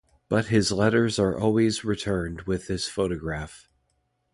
But his letters are always returned with his photograph.